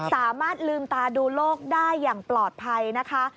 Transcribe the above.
สามารถลืมตาดูโลกได้อย่างปลอดภัยนะคะ